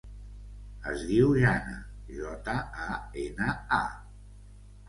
Es diu Jana: jota, a, ena, a.